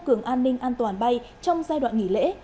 cường an ninh an toàn bay trong giai đoạn nghỉ lễ